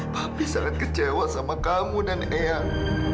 tapi sangat kecewa sama kamu dan eyang